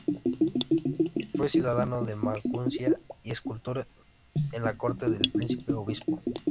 Fue ciudadano de Maguncia y escultor en la corte del príncipe-obispo.